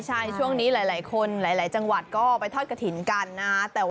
ใช่ช่วงนี้หลายคนหลายจังหวัดก็ไปทอดกระถิ่นกันนะ